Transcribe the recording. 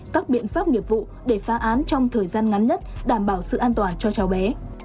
các biện pháp nghiệp vụ để phá án trong thời gian ngắn nhất đảm bảo sự an toàn cho cháu bé